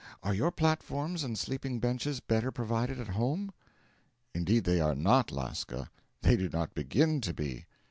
Are your platforms and sleeping benches better provided at home?' 'Indeed, they are not, Lasca they do not begin to be.'